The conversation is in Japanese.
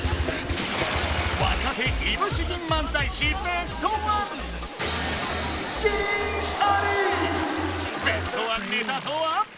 若手いぶし銀漫才師ベストワンベストワンネタとは？